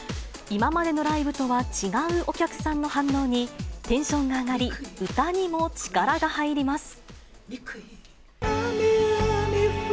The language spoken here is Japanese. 今までのライブとは違うお客さんに反応に、テンションが上がり、歌にも力が入ります。